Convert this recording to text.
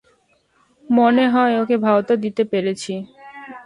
মনে হয় ওকে ভাঁওতা দিতে পেরেছি।